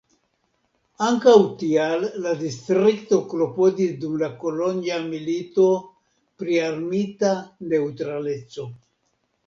Ankaŭ tial la distrikto klopodis dum la Kolonja Milito pri armita neŭtraleco.